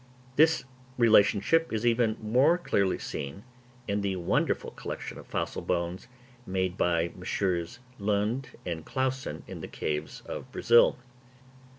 This relationship is even more clearly seen in the wonderful collection of fossil bones made by MM. Lund and Clausen in the caves of Brazil.